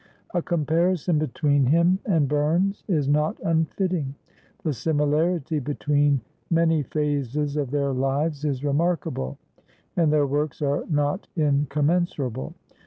A comparison between him and Burns is not unfitting. The similarity between many phases of their lives is remarkable, and their works are not incommensurable.